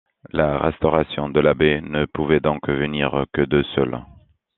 La restauration de l'abbaye ne pouvait donc venir que d'eux seuls.